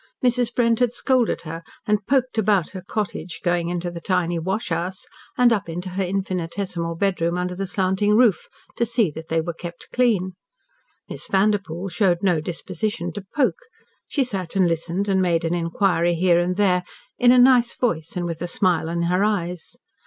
Mrs. Brent had scolded her and "poked about" her cottage, going into her tiny "wash 'us," and up into her infinitesimal bedroom under the slanting roof, to see that they were kept clean. Miss Vanderpoel showed no disposition to "poke." She sat and listened, and made an inquiry here and there, in a nice voice and with a smile in her eyes.